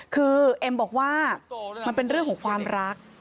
คือเอ็มบอกว่ามันเป็นเรื่องของความรัก